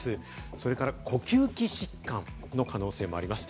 そして呼吸器疾患の可能性もありますね。